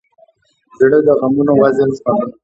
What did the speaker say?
زړه د غمونو وزن زغمي.